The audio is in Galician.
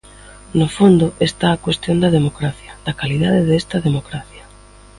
No fondo está a cuestión da democracia, da calidade desta democracia.